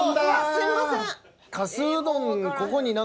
すいません。